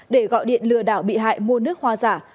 để gọi điện lừa đảo bị hại mua nước hoa giả